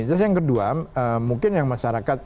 terus yang kedua mungkin yang masyarakat